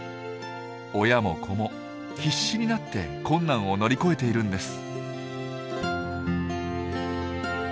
親も子も必死になって困難を乗り越えているんです。